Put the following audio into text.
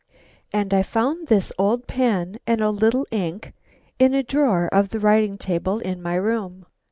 And I found this old pen and a little ink in a drawer of the writing table in my room.